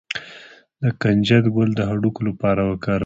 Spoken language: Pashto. د کنجد ګل د هډوکو لپاره وکاروئ